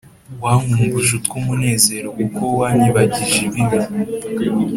wankumbuje utw` umunezero kuko wanyibagije ibibi.